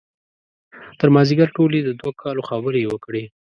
تر مازدیګر ټولې د دوه کالو خبرې یې وکړې.